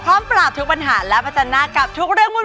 พร้อมปราบทุกปัญหาและประจำนักกับทุกเรื่องวุ่น